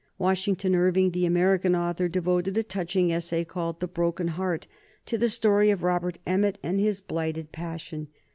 Washington Irving, the American author, devoted a touching essay, called "The Broken Heart," to the story of Robert Emmet and his blighted passion.